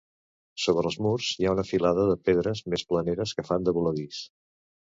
Sobre els murs hi ha una filada de pedres més planeres que fan de voladís.